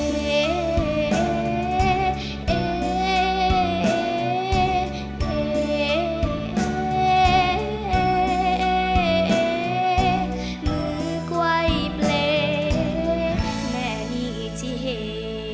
มือไกวเปล่าแม่นี่ที่เห็น